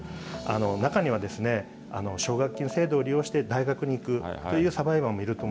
中には奨学金制度を利用して大学に行くというサバイバーもいると